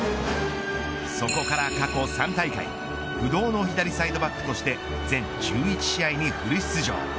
そこから過去３大会不動の左サイドバックとして全１１試合にフル出場。